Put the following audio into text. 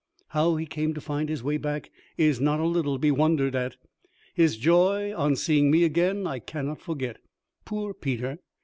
How he came to find his way back is not a little to be wondered at. His joy on seeing me again I cannot forget. Poor Peter!